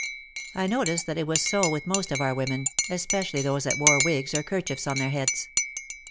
I noticed that it was so with most of our women, espe cially those that wore wigs or kerchiefs on their heads.